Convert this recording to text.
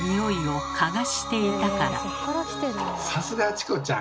さすがチコちゃん！